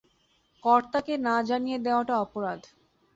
কর্তাকে না জানিয়ে দেওয়াটা অপরাধ।